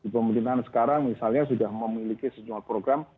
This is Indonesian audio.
pemerintahan sekarang misalnya sudah memiliki sejumlah program